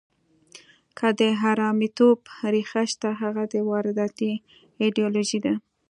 که د حرامیتوب ریښه شته، هغه د وارداتي ایډیالوژیو ده.